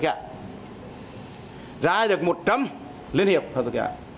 giá chỉ được một trăm linh liên hiệp hợp tác xã